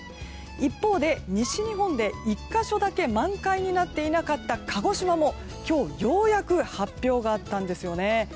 一方で、西日本で１か所だけ満開になっていなかった鹿児島も今日、ようやく発表があったんですよね。